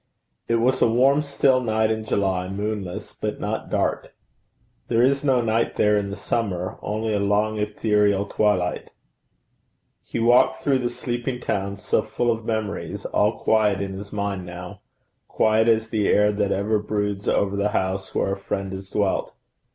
It was a warm still night in July moonless but not dark. There is no night there in the summer only a long ethereal twilight. He walked through the sleeping town so full of memories, all quiet in his mind now quiet as the air that ever broods over the house where a friend has dwelt.